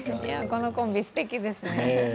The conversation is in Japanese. このコンビ、すてきですね。